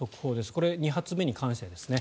これ、２発目に関してですね。